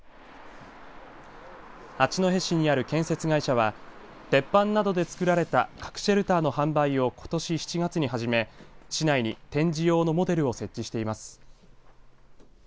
八戸市にある建設会社は鉄板などでつくられた核シェルターの販売をことし７月に始め市内に展示用のモデルを設置しています。